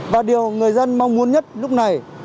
và điều người dân mong muốn nhất lúc này